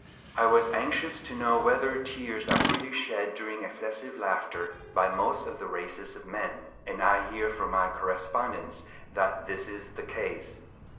I was anxious to know whether tears are freely shed during excessive laughter by most of the races of men, and I hear from my correspondents that this is the case.